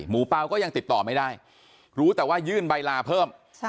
เปล่าก็ยังติดต่อไม่ได้รู้แต่ว่ายื่นใบลาเพิ่ม